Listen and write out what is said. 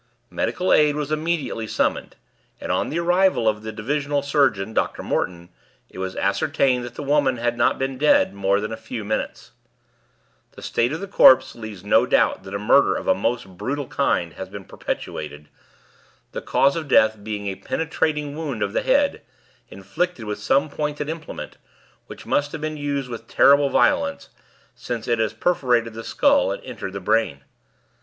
Medical aid was immediately summoned, and on the arrival of the divisional surgeon, Dr. Morton, it was ascertained that the woman had not been dead more than a few minutes. [Illustration: THE DISCOVERY.] "The state of the corpse leaves no doubt that a murder of a most brutal kind has been perpetrated, the cause of death being a penetrating wound of the head, inflicted with some pointed implement, which must have been used with terrible violence, since it has perforated the skull and entered the brain.